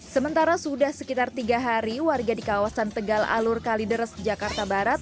sementara sudah sekitar tiga hari warga di kawasan tegal alur kalideres jakarta barat